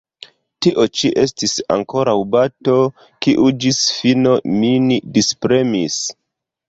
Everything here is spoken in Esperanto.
Tio ĉi estis ankoraŭ bato, kiu ĝis fino min dispremis.